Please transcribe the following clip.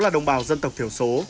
đồng bào dân tộc thiểu số